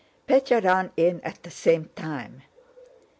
Pétya ran in at the same time.